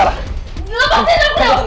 lepaskan aku nego